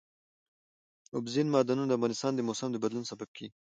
اوبزین معدنونه د افغانستان د موسم د بدلون سبب کېږي.